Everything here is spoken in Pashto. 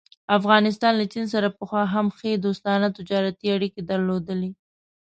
افغانستان له چین سره پخوا هم ښې دوستانه تجارتي اړيکې درلودلې.